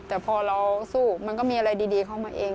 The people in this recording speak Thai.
แต่พอเราสู้มันก็มีอะไรดีเข้ามาเอง